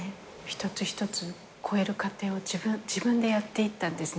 一つ一つ越える過程を自分でやっていったんですねちゃんと。